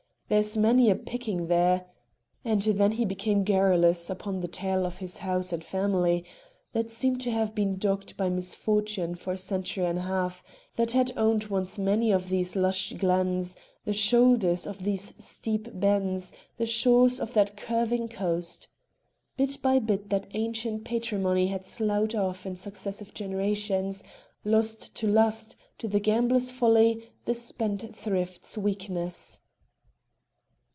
"There's many a picking there." And then he became garrulous upon the tale of his house and family, that seemed to have been dogged by misfortune for a century and a half; that had owned once many of these lush glens, the shoulders of these steep bens, the shores of that curving coast. Bit by bit that ancient patrimony had sloughed off in successive generations, lost to lust, to the gambler's folly, the spendthrift's weakness.